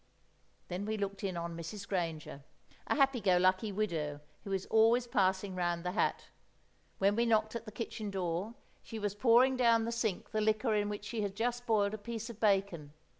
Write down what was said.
Then we looked in on Mrs. Granger, a happy go lucky widow who is always passing round the hat. When we knocked at the kitchen door, she was pouring down the sink the liquor in which she had just boiled a piece of bacon.